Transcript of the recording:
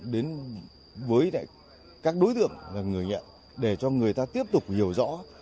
đến với các đối tượng là người nhận để cho người ta tiếp tục hiểu rõ